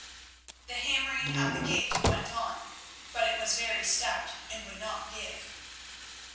The hammering at the gate went on, but it was very stout and would not give.